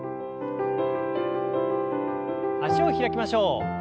脚を開きましょう。